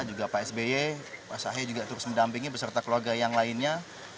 juga pak sby mas ahy juga terus mendampingi beserta keluarga yang lainnya